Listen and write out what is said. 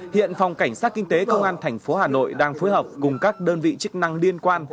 hiện phòng cảnh sát kinh tế công an tp hà nội đang phối hợp cùng các đơn vị chức năng liên quan